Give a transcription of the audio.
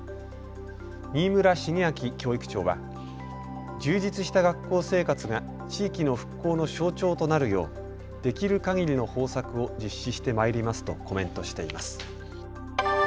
新村茂昭教育長は充実した学校生活が地域の復興の象徴となるようできるかぎりの方策を実施してまいりますとコメントしています。